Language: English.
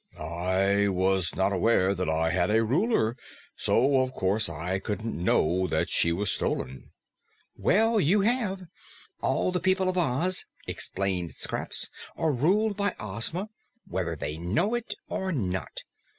"I was not aware that I had a Ruler, so of course I couldn't know that she was stolen." "Well, you have. All the people of Oz," explained Scraps, "are ruled by Ozma, whether they know it or not.